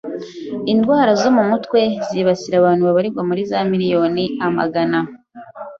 “Indwara zo mu mutwe zibasira abantu babarirwa muri za miriyoni amagana